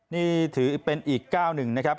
นี่ถือเป็นอีกก้าวหนึ่งนะครับ